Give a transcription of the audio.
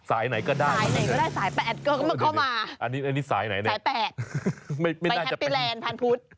สายไหนก็ได้สายแปดก็เข้ามาสายแปดไปแฮปปิแลนด์พันธุ์พุธ